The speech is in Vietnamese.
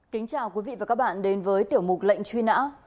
kính chào quý vị và các bạn đến với tiểu mục lệnh truy nã